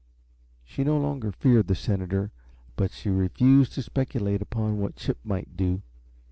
She no longer feared the senator, but she refused to speculate upon what Chip might do.